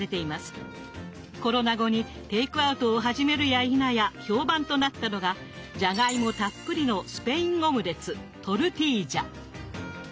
コロナ後にテイクアウトを始めるやいなや評判となったのがじゃがいもたっぷりのスペインオムレツ